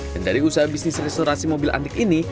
dan dari usaha bisnis restorasi mobil antik ini